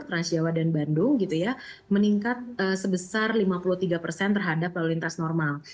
transjawa dan bandung gitu ya meningkat sebesar lima puluh tiga persen terhadap lalu lintas normal